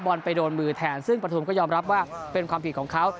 ไปโดนมือแทนซึ่งปฐุมก็ยอมรับว่าเป็นความผิดของเขา